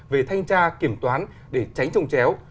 về thanh tra kiểm toán để tránh trùng chéo